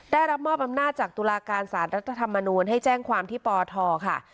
ได้รับมอบอำนาจจากตุลาการสารรัฐธรรมนูลให้แจ้งความที่ปทค่ะ